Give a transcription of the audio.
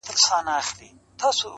زه به د ميني يوه در زده کړم”